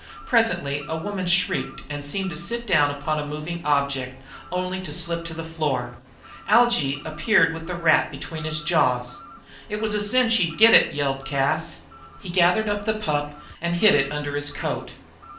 Presently a woman shrieked and seemed to sit down upon a moving object only to slip to the floor. Algy appeared then with the rat between his jaws. "It was a cinch he'd get it," yelled Cas. He gathered up the pup and hid him under his coat.